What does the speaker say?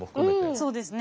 そうですね。